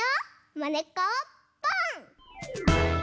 「まねっこポン！」。